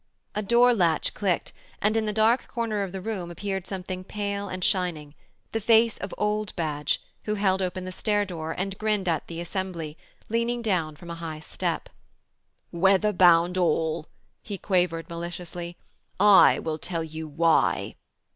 A door latch clicked, and in the dark corner of the room appeared something pale and shining the face of old Badge, who held open the stair door and grinned at the assembly, leaning down from a high step. 'Weather bound all,' he quavered maliciously. 'I will tell you why.'